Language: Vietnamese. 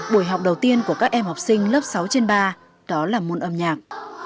buổi học đầu tiên của các em học sinh lớp sáu trên ba đó là môn âm nhạc